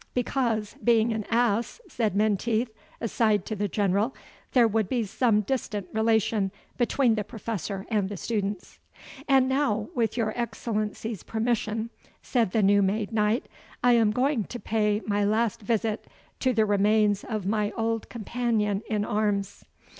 "Because, being an ass," said Menteith, aside to the General, "there would be some distant relation between the professor and the students." "And now, with your Excellency's permission," said the new made knight, "I am going to pay my last visit to the remains of my old companion in arms."